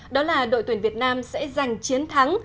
đó là đội tuyển việt nam sẽ giành chiến thắng